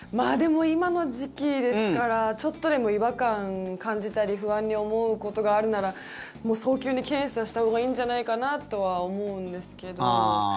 でも今の時期ですからちょっとでも違和感を感じたり不安に思うことがあるなら早急に検査したほうがいいんじゃないかなとは思うんですけど。